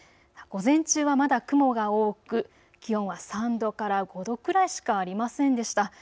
午前中はまだ雲が多く気温は３度から５度くらいしかありませんでした。